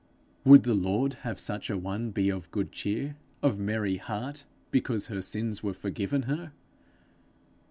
Would the Lord have such a one be of good cheer, of merry heart, because her sins were forgiven her?